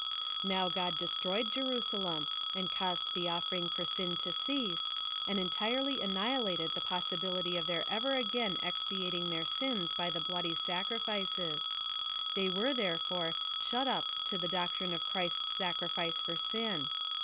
Now God destroyed Jerusalem, jind caused the offering for sin to cease, and entirely annihilated the possibility of their ever again expiating their sins by the bloody sacrifices ; they were, therefore, shut up to the doctrine of Christ's sacrifice for sin.